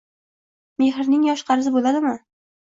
Mehrning yosh-qarisi bo‘ladimi?